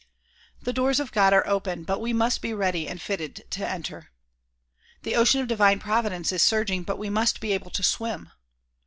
The doors of God are open but we must be ready and fitted to enter. The ocean of divine provi dence is surging but we must be able to swim.